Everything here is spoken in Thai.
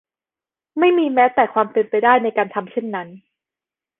ไม่มีแม้แต่ความเป็นไปได้ในการทำเช่นนั้น